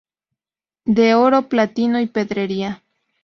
De oro, platino y pedrería.